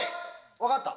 分かった？